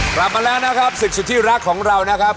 กลับมาแล้วนะครับศึกสุดที่รักของเรานะครับ